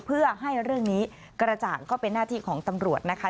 เพื่อให้เรื่องนี้กระจ่างก็เป็นหน้าที่ของตำรวจนะคะ